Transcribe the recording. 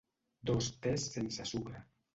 Dos tes sense sucre”.